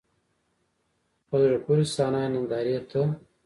په زړه پورې صحنه یې نندارې ته و.